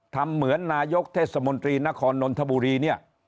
ทำเหมือนนายกเทศบาลนครนนทบุรี